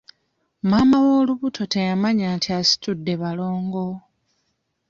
Maama w'olubuto teyamanya nti asitudde balongo.